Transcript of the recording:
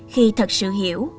khi thật sự hiểu